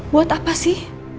buat apa sih